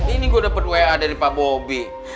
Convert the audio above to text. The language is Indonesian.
ini gue dapat wa dari pak bobby